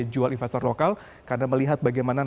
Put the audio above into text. jual investor lokal karena melihat bagaimana